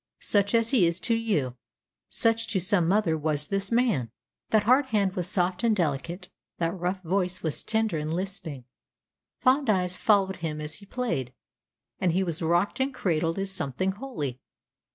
Such as he is to you, such to some mother was this man. That hard hand was soft and delicate; that rough voice was tender and lisping; fond eyes followed him as he played, and he was rocked and cradled as something holy.